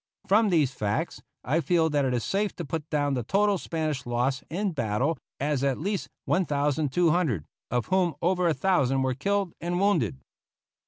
From these facts I feel that it is safe to put down the total Spanish loss in battle as at least 1,200, of whom over a thousand were killed and wounded.